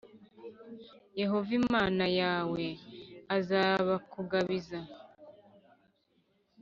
Yehova Imana yawe azabakugabiza,